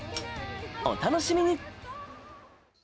お楽しみに。